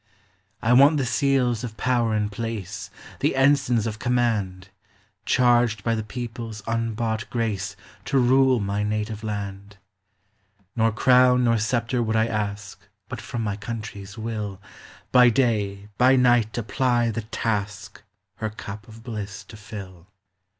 I want the seals of power and place, The ensigns of command ; Charged by the People's unbought grace To rule my native land. LABOR AND REST. 4i>: >, Nor crown nor sceptre would I ask But from my country's will, By day, by night, to ply the task Her cup of bliss to fill.